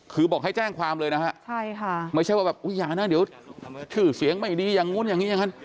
คือบอกให้แจ้งความเลยนะครับไม่ใช่ว่าอย่างนั้นเดี๋ยวถือเสียงไม่ดีอย่างนั้นอย่างนี้อย่างนั้น